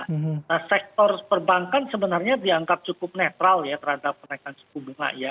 nah sektor perbankan sebenarnya dianggap cukup netral ya terhadap kenaikan suku bunga ya